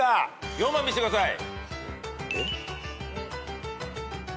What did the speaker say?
４番見せてください。